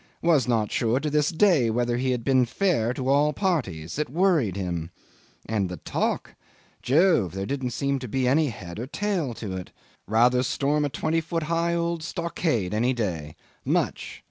Was not sure to this day whether he had been fair to all parties. It worried him. And the talk! Jove! There didn't seem to be any head or tail to it. Rather storm a twenty foot high old stockade any day. Much!